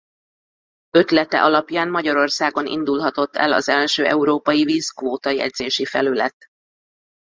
Ötlete alapján Magyarországon indulhatott el az első európai vízkvóta-jegyzési felület.